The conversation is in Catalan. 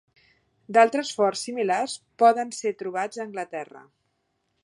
D'altres forts similars poden ser trobats a Anglaterra.